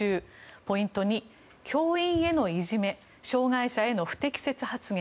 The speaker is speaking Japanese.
ポイント２、教員へのいじめ障害者への不適切発言